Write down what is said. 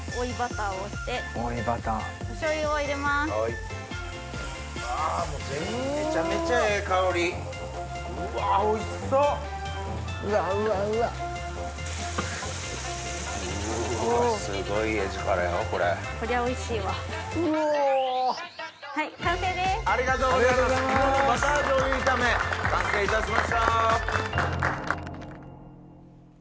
肝のバター醤油炒め完成いたしました！